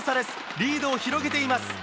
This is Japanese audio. リードを広げています。